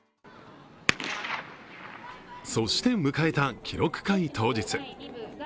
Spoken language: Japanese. そして迎えた記録会当日。